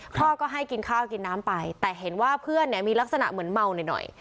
พ่อก็ให้กินข้าวกินน้ำไปแต่เห็นว่าเพื่อนเนี่ยมีลักษณะเหมือนเมาหน่อย